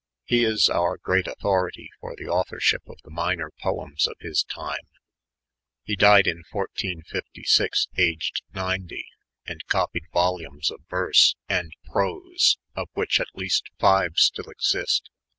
He is our ereBt authority for the authorship of the minor poems of bia time. He died in 14^6, aged ninety, and copied volumes of verse (aud prose), of which at least five still exist.